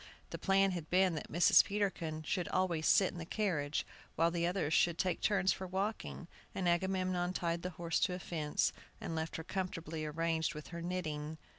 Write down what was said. The plan had been that Mrs. Peterkin should always sit in the carriage, while the others should take turns for walking; and Agamemnon tied the horse to a fence, and left her comfortably arranged with her knitting.